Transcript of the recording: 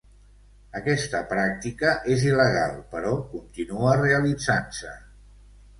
Aquesta pràctica és il·legal, però continua realitzant-se.